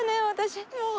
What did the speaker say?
私。